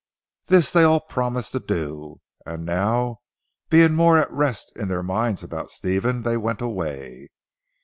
This they all promised to do and now being more at rest in their minds about Stephen, they went away.